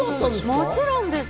もちろんです。